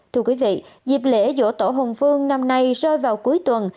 thưa quý vị dịp lễ vỗ tổ hồng phương năm nay rơi vào cuối tuần